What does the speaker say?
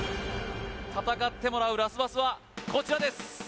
戦ってもらうラスボスはこちらです！